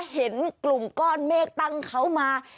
เห็นกลุ่มก้อนเมฆตั้งเขามา